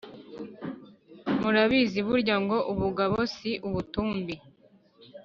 murabizi burya ngo: “ubugabo si ubutumbi”,